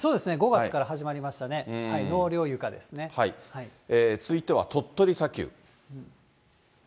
５月から始まりましたね、続いては鳥取砂丘。